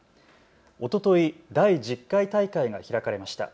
おととい、第１０回大会が開かれました。